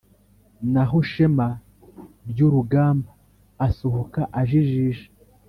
naho shema ryurugamba asohoka ajijisha